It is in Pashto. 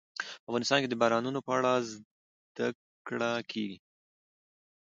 افغانستان کې د بارانونو په اړه زده کړه کېږي.